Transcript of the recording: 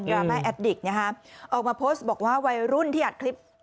รามาแอดดิกนะฮะออกมาโพสต์บอกว่าวัยรุ่นที่อัดคลิป